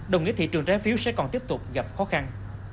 đồng nghĩa thị trường trái phiếu sẽ còn tiếp tục gặp khó khăn